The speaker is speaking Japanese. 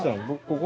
ここ。